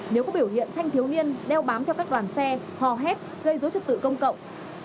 nếu có biểu hiện thanh thiếu niên đeo bám theo các đoàn xe hò hét gây dối trật tự công cộng